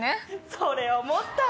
それ思った！